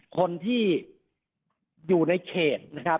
คนในเกษตร